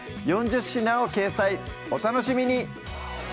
４０品を掲載お楽しみに！